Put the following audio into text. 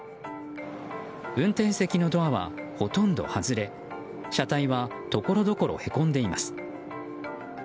運転席のドアは、ほとんど外れ車体はところどころへこんでいます。